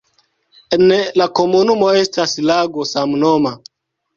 En la komunumo estas lago samnoma.